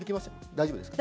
大丈夫ですか？